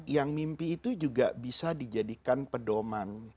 yang mimpi itu juga bisa dijadikan pedoman